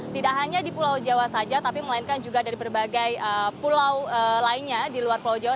tidak hanya di pulau jawa saja tapi melainkan juga dari berbagai pulau lainnya di luar pulau jawa